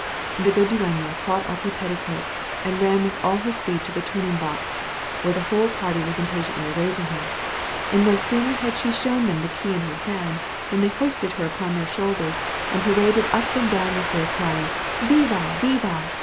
The good dueña caught up her petticoats, and ran with all her speed to the turning box, where the whole party was impatiently awaiting her; and no sooner had she shown them the key in her hand, than they hoisted her upon their shoulders, and paraded up and down with her, crying "Viva! viva!"